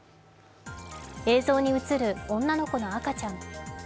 映像に映る女の子の赤ちゃん。